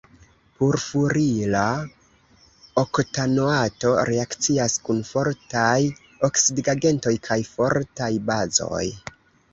Furfurila oktanoato reakcias kun fortaj oksidigagentoj kaj fortaj bazoj.